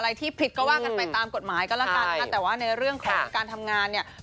ที่ผิดก็ว่ากันไปตามกฎหมายก็แล้วกันค่ะแต่ว่าในเรื่องของการทำงานเนี่ย